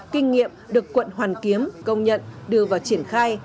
kinh nghiệm được quận hoàn kiếm công nhận đưa vào triển khai